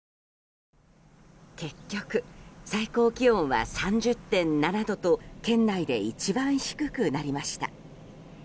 結局、最高気温は３０．７度と県内で一番低くなりました。